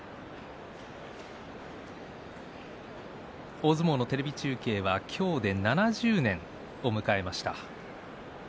大相撲のテレビ中継は今日で７０年を迎えました。